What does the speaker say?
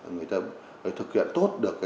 người ta thực hiện tốt được